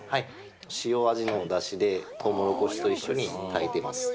塩味のお出汁でトウモロコシと一緒に炊いてます。